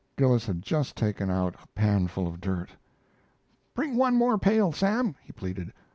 Gillis had just taken out a panful of dirt. "Bring one more pail, Sam," he pleaded.